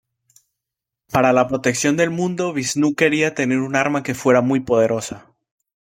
Para la protección del mundo, Visnú quería tener un arma que fuera muy poderosa.